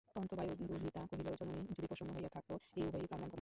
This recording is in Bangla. তন্তুবায়দুহিতা কহিল জননি যদি প্রসন্ন হইয়া থাক এই উভয়ের প্রাণদান কর।